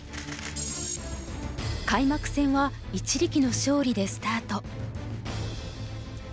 開幕戦は一力の勝利でスタート。